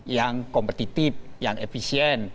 yang kompetitif yang efisien